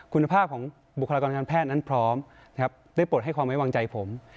คุณภาพของบุคลากรทางการแพทย์นั้นพร้อมนะครับได้ปลดให้ความไว้วางใจผม